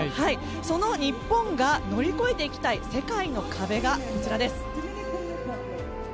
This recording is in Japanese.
その日本が乗り越えていきたい世界の壁がこちらです。